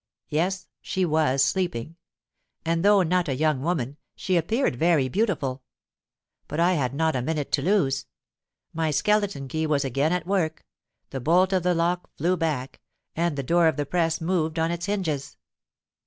Yes—she was sleeping; and, though not a young woman, she appeared very beautiful. But I had not a minute to lose: my skeleton key was again at work—the bolt of the lock flew back—and the door of the press moved on its hinges.